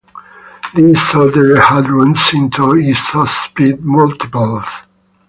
This ordered hadrons into isospin multiplets.